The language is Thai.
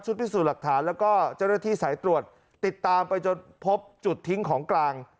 พิสูจน์หลักฐานแล้วก็เจ้าหน้าที่สายตรวจติดตามไปจนพบจุดทิ้งของกลาง